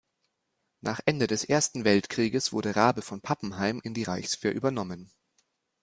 Nach Ende des Ersten Weltkrieges wurde Rabe von Pappenheim in die Reichswehr übernommen.